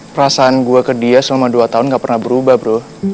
perasaan gue ke dia selama dua tahun gak pernah berubah bro